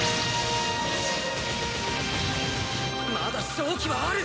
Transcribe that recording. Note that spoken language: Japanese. まだ勝機はある！